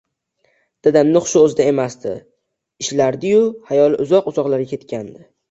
Dadamning hushi oʻzida emasdi, ishlardi-yu, xayoli uzoq-uzoqlarga ketgandi.